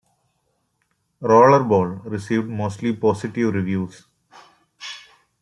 "Rollerball" received mostly positive reviews.